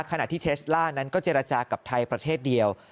ขณะที่เทสล่านั้นก็เจรจากับไทยประเทศเดียว